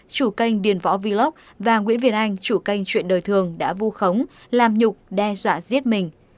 chủ kênh điền võ vóc và nguyễn việt anh chủ kênh chuyện đời thường đã vu khống làm nhục đe dọa giết mình